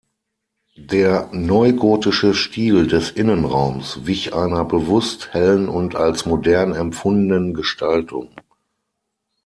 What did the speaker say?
Der neugotische Stil des Innenraums wich einer bewusst hellen und als modern empfundenen Gestaltung.